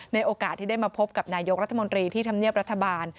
โอกาสที่ได้มาพบกับนายกรัฐมนตรีที่ทำเนียบรัฐบาล